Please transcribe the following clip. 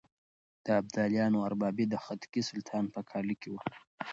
د ابدالیانو اربابي د خدکي سلطان په کاله کې وه.